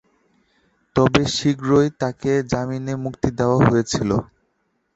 তবে শীঘ্রই তাকে জামিনে মুক্তি দেওয়া হয়েছিল।